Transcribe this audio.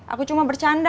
aku cuma bercanda